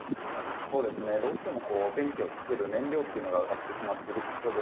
どうしても電気を作る燃料というのが上がってしまっているところです。